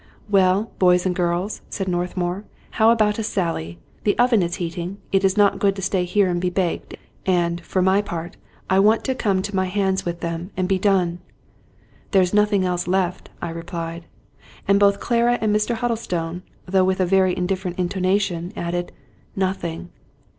" Well, boys and girls," said Northmour, " how about a sally? The oven is heating; it is not good to stay here and be baked; and, for my part, I want to come to my hands with them, and be done." " There's nothing else left," I replied. And both Clara and Mr. Huddlestone, though with a very 'different intonation, added, " Nothing."